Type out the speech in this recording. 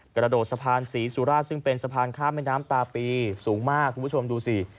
กระโดดสะพานศรีสุภาคือเมืองข้ามแม่น้ำตาปีสูงมากคุณผู้ชมดูสิ